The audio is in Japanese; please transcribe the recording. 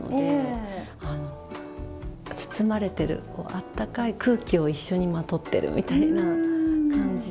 あったかい空気を一緒にまとってるみたいな感じで。